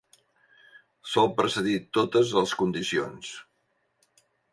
Sol precedir totes els condicions.